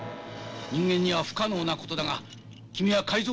人間には不可能なことだが君は改造人間なんだ。